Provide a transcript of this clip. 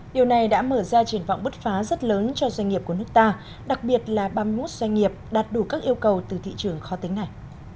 điều này đã mở ra triển vọng bứt phá rất lớn cho doanh nghiệp của nước ta đặc biệt là ba mươi một doanh nghiệp đạt đủ các yêu cầu từ thị trường khó tính này